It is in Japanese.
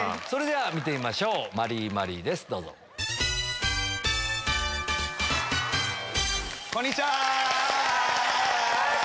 それでは見てみましょうマリーマリーですどうぞ。こんにちは。